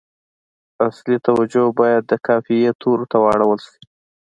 اصلي توجه باید د قافیې تورو ته واړول شي.